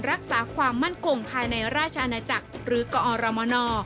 รักษาความมั่นคงภายในราชอาณาจักรหรือกอรมน